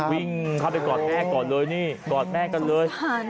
วิ่งเข้าไปกอดแม่ก่อนเลยนี่กอดแม่กันเลย